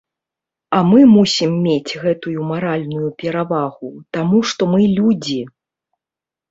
А мы мусім мець гэтую маральную перавагу, таму што мы людзі.